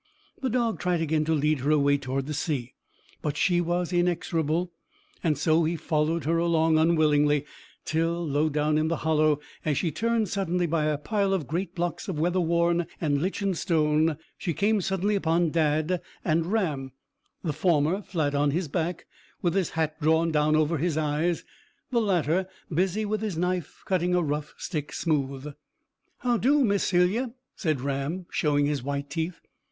The dog tried again to lead her away toward the sea, but she was inexorable; and so he followed her along unwillingly, till, low down in the hollow, as she turned suddenly by a pile of great blocks of weather worn and lichened stone, she came suddenly upon Dadd and Ram, the former flat on his back, with his hat drawn down over his eyes, the latter busy with his knife cutting a rough stick smooth. "How do, Miss Celia?" said Ram, showing his white teeth.